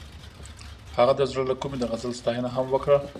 هغې د زړه له کومې د غزل ستاینه هم وکړه.